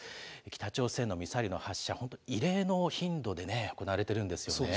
北朝鮮のミサイルの発射、本当、異例の頻度で行われてるんですよね。